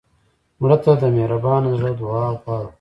مړه ته د مهربان زړه دعا غواړو